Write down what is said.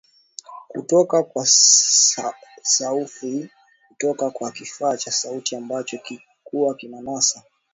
kutoka kwa saufi ya kutoka kwa kifaa cha sauti ambacho kilikuwa kinanasa